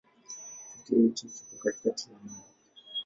Kituo hicho kipo katikati ya Hamburg.